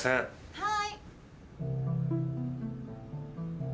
はい。